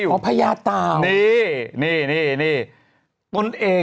ดื่มน้ำก่อนสักนิดใช่ไหมคะคุณพี่